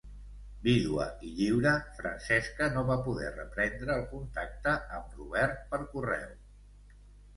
Vídua i lliure, Francesca no va poder reprendre el contacte amb Robert per correu.